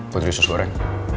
putri usus goreng